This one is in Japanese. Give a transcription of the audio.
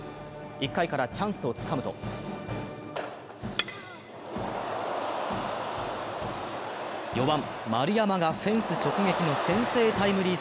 １回からチャンスをつかむと４番・丸山がフェンス直撃の先制タイムリー